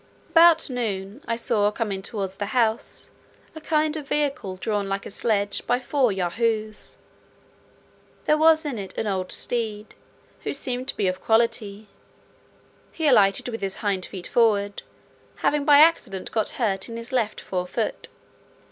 About noon, I saw coming towards the house a kind of vehicle drawn like a sledge by four Yahoos. There was in it an old steed, who seemed to be of quality; he alighted with his hind feet forward, having by accident got a hurt in his left fore foot.